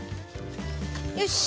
よし！